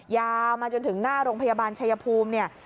ยาวมาจนถึงหน้าโรงพยาบาลชายภูมิเนี่ย